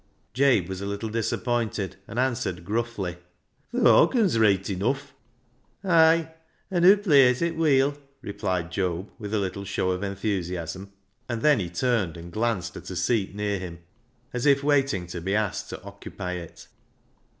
Jabe was a little disappointed, and answered gruffly —" Th' horR in's reet enufif." 382 BECKSIDE LIGHTS " Ay, an' hoo plays it vveel," replied Job, with a little show of enthusiasm, and then he turned and glanced at a seat near him, as if waiting to be asked to occupy it.